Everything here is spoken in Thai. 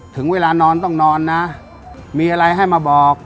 ถึงเวลานอนต้องนอนนะมีอะไรให้มาบอก